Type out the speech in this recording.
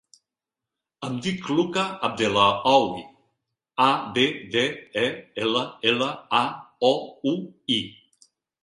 Em dic Luka Abdellaoui: a, be, de, e, ela, ela, a, o, u, i.